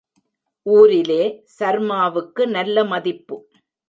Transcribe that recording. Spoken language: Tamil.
ஊரிலே சர்மாவுக்கு நல்ல மதிப்பு.